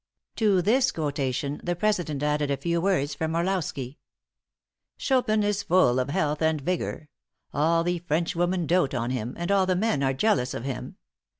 '" To this quotation, the president added a few words from Orlowski: "'Chopin is full of health and vigor; all the Frenchwomen dote on him, and all the men are jealous of him.